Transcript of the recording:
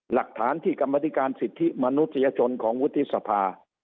หลักฐานที่กรรมธิการสิทธิมนุษยชนของวุฒิสภา